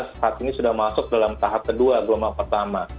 saat ini sudah masuk dalam tahap kedua gelombang pertama